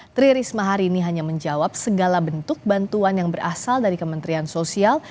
tri risma hari ini hanya menjawab segala bentuk bantuan yang berasal dari kementerian sosial